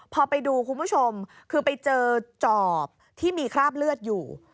พอไปดูคุณผู้ชมคือไปเจอจอบที่มีคราบเลือดอยู่